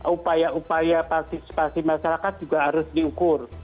upaya upaya partisipasi masyarakat juga harus diukur